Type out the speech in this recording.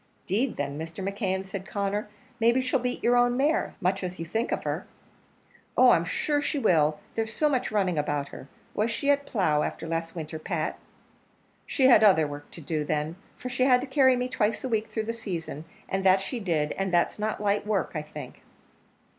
"'Deed, then, Mr. McKeon," said Conner, "maybe she'll beat your own mare, much as you think of her." "Oh! I'm sure she will; there's so much running about her. Was she at plough after last winter, Pat?" "She had other work to do, then, for she had to carry me twice a week through the season; and that she did and that's not light work, I think."